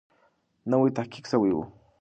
نوی تحقیق سوی وو.